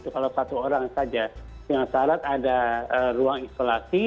kalau satu orang saja dengan syarat ada ruang isolasi